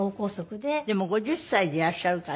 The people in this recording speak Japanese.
でも５０歳でいらっしゃるから。